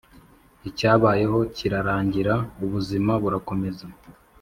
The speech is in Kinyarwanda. Icyabayeho kirarangira ubuzima burakomeza